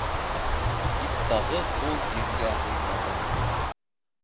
Гипстағы ҡул еңгә һыйманы.